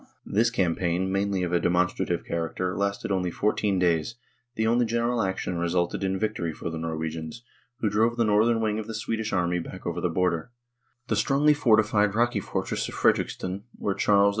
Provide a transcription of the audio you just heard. This cam paign, mainly of a demonstrative character, lasted only fourteen days ; the only general action resulted in victory for the Norwegians, who drove the northern 16 NORWAY AND THE UNION WITH SWEDEN wing of the Swedish army back over the border ; the strongly fortified rocky fortress of Fredriksten (where Charles XII.